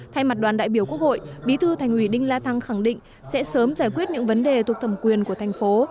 thay mặt đoàn đại biểu quốc hội bí thư thành ủy đinh la thăng khẳng định sẽ sớm giải quyết những vấn đề thuộc thẩm quyền của thành phố